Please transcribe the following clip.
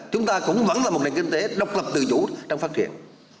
chúng ta cũng vẫn là một nền kinh tế độc lập tự chủ trong phát triển